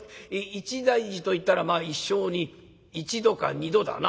一大事といったらまあ一生に１度か２度だな。